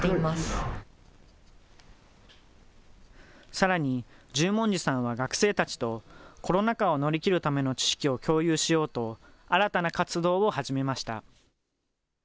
さらに、重文字さんは学生たちとコロナ禍を乗り切るための知識を共有しようと、新たな活動を始めました。